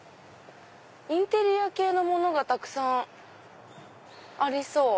インテリア系のものがたくさんありそう。